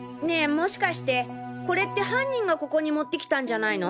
もしかしてこれって犯人がここに持って来たんじゃないの？